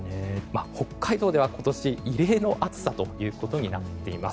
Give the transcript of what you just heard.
北海道では今年、異例の暑さということになっています。